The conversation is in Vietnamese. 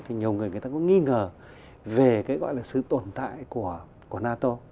thì nhiều người người ta có nghi ngờ về cái gọi là sự tồn tại của nato